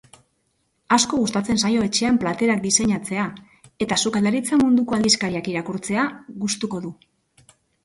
Asko gustatzen zaio etxean platerak diseinatzea eta sukaldaritza munduko aldizkariak irakurtzea gustuko du.